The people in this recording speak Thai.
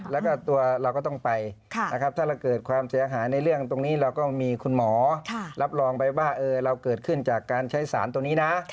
แล้วก็ตัวเราก็ต้องไปนะครับถ้าเราเกิดความเสียหายในเรื่องตรงนี้เราก็มีคุณหมอรับรองไปว่าเราเกิดขึ้นจากการใช้สารตัวนี้นะ